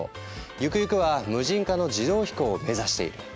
ゆくゆくは無人化の自動飛行を目指している。